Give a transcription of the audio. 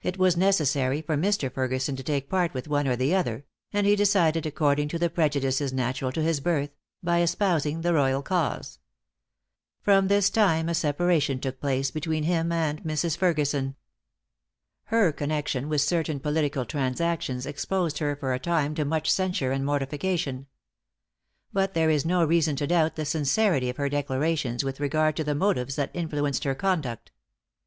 It was necessary for Mr. Ferguson to take part with one or the other; and he decided according to the prejudices natural to his birth, by espousing the royal cause. From this time a separation took place between him and Mrs. Ferguson. Her connection with certain political transactions exposed her for a time to much censure and mortification. But there is no reason to doubt the sincerity of her declarations with regard to the motives that influenced her conduct.